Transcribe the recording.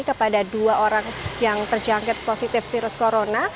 kepada dua orang yang terjangkit positif virus corona